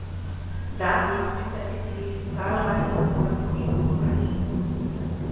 Daneben ist er Mitglied in zahlreichen Sonderforschungsbereichen.